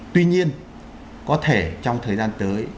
tuy nhiên có thể trong thời gian tới